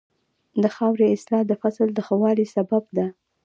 د خاورې اصلاح د فصل د ښه والي سبب ده.